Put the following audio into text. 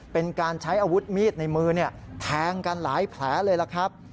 เป็นการใช้อาวุธมีดในมือแทงกันหลายแผลเลยล่ะครับ